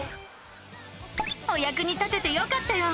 おやくに立ててよかったよ！